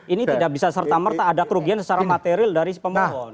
ini tidak bisa serta merta ada kerugian secara material dari pemohon